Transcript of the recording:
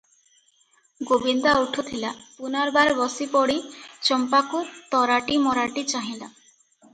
ଗୋବିନ୍ଦା ଉଠୁଥିଲା, ପୁନର୍ବାର ବସିପଡ଼ି ଚମ୍ପାକୁ ତରାଟିମରାଟି ଚାହିଁଲା ।